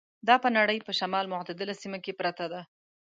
دا په نړۍ په شمال متعدله سیمه کې پرته ده.